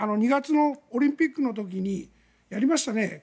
２月のオリンピックの時にやりましたね。